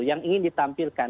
yang ingin ditampilkan